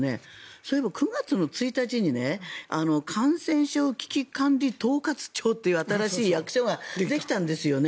そういえば９月の１日に感染症危機管理統括庁という新しい役所ができたんですよね。